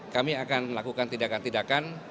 kami akan melakukan tindakan tindakan